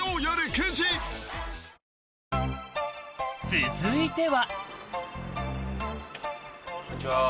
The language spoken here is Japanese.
続いては。